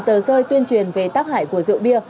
tờ rơi tuyên truyền về tác hại của rượu bia